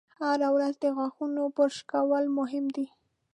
هره ورځ د غاښونو برش کول مهم دي.